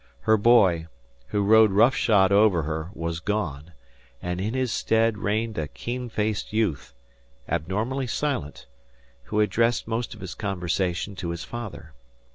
Her boy, who rode rough shod over her, was gone, and in his stead reigned a keen faced youth, abnormally silent, who addressed most of his conversation to his father.